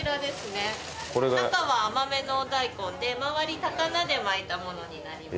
中は甘めのダイコンで周りタカナで巻いたものになります。